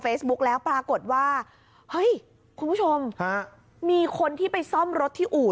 แล้วปรากฏว่าเฮ้ยคุณผู้ชมฮะมีคนที่ไปซ่อมรถที่อู่